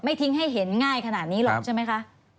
ทิ้งให้เห็นง่ายขนาดนี้หรอกใช่ไหมคะ